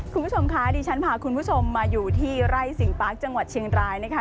คุณผู้ชมคะดิฉันพาคุณผู้ชมมาอยู่ที่ไร่สิงปาร์คจังหวัดเชียงรายนะคะ